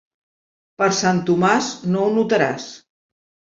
Per Sant Tomàs no ho notaràs.